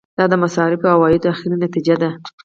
دا د مصارفو او عوایدو اخري نتیجه ده.